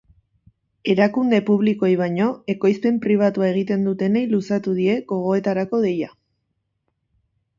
Erakunde publikoei baino, ekoizpen pribatua egiten dutenei luzatu die, gogoetarako deia.